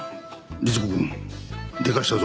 りつ子くんでかしたぞ。